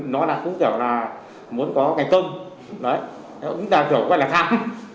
nó là cũng kiểu là muốn có cái cơm đấy cũng ra chỗ quay là khác